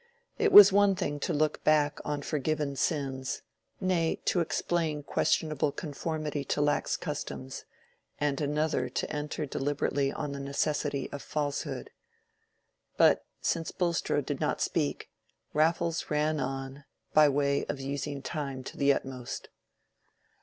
It was one thing to look back on forgiven sins, nay, to explain questionable conformity to lax customs, and another to enter deliberately on the necessity of falsehood. But since Bulstrode did not speak, Raffles ran on, by way of using time to the utmost.